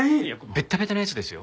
ベッタベタなやつですよ。